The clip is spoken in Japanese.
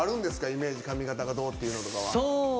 イメージ、髪形がどうっていうのとかは。